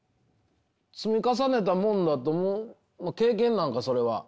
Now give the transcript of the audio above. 積み重ねたものだと経験なんかそれは。